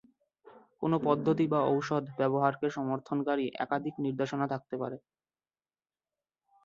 কোনও পদ্ধতি বা ঔষধ ব্যবহারকে সমর্থনকারী একাধিক নির্দেশনা থাকতে পারে।